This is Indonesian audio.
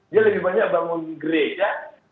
dia lebih banyak bangun gereja